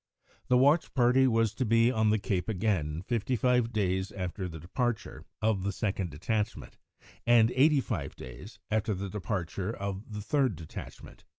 The watch party was to be on the cape again fifty five days after the departure of the second detachment, and eighty five days after the departure of the third detachment.